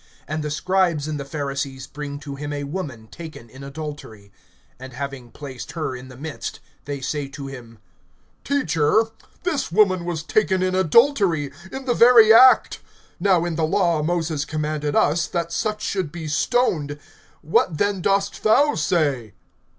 (3)And the scribes and the Pharisees bring to him a woman taken in adultery; and having placed her in the midst, (4)they say to him: Teacher, this woman was taken in adultery, in the very act: (5)Now in the law Moses commanded us, that such should be stoned; what then dost thou say?